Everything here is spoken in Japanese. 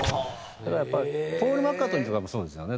だからやっぱりポール・マッカートニーとかもそうですよね。